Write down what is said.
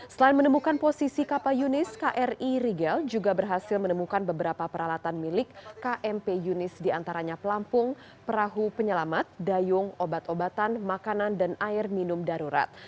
selain menemukan posisi kapal yunis kri rigel juga berhasil menemukan beberapa peralatan milik kmp yunis diantaranya pelampung perahu penyelamat dayung obat obatan makanan dan air minum darurat